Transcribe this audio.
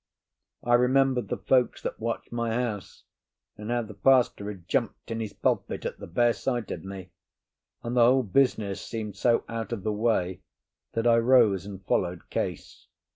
I remembered the folks that watched my house, and how the pastor had jumped in his pulpit at the bare sight of me; and the whole business seemed so out of the way that I rose and followed Case.